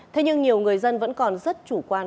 thế nhưng nhiều người dân vẫn còn rất chủ quan